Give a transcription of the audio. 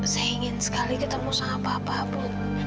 saya ingin sekali ketemu sama papa bu